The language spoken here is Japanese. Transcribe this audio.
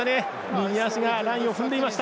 右足がラインを踏んでいました。